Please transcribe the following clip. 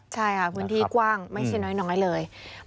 ใช่ค่ะพื้นที่กว้างไม่ใช่น้อยเลย